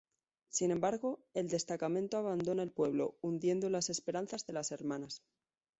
Sin embargo, el destacamento abandona el pueblo, hundiendo las esperanzas de las hermanas.